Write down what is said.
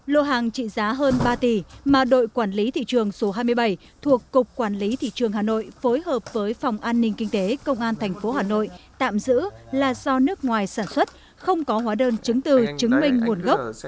lô hàng trị giá hơn ba tỷ mà đội quản lý thị trường số hai mươi bảy thuộc cục quản lý thị trường hà nội phối hợp với phòng an ninh kinh tế công an tp hà nội tạm giữ là do nước ngoài sản xuất không có hóa đơn chứng từ chứng minh nguồn gốc